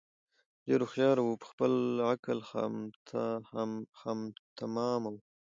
ډېر هوښیار وو په خپل عقل خامتماوو